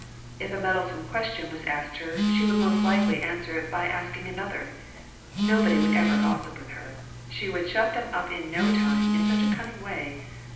If a meddlesome question was asked her, she would most likely answer it by asking another. Nobody could ever gossip with her. She would shut them up in no time in such a cunning way.